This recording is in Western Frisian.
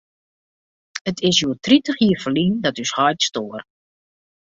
It is hjoed tritich jier ferlyn dat ús heit stoar.